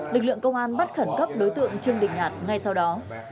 lực lượng công an bắt khẩn cấp đối tượng trương đình nhạt ngay sau đó